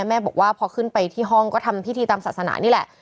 แม่บอกว่าพอขึ้นไปที่ห้องก็ทำพิธีตามศาสนานี่แหละ